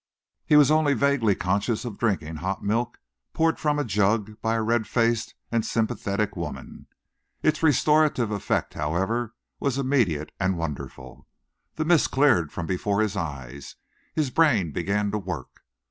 He was only vaguely conscious of drinking hot milk, poured from a jug by a red faced and sympathetic woman. Its restorative effect, however, was immediate and wonderful. The mist cleared from before his eyes, his brain began to work.